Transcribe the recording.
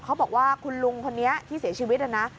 เขาบอกว่าคุณลุงคนนี้ที่เสียชีวิตนะนะ